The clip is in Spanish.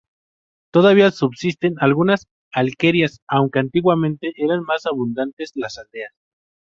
Todavía subsisten algunas alquerías, aunque antiguamente eran más abundantes las aldeas.